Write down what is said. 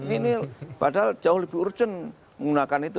ini padahal jauh lebih urgent menggunakan itu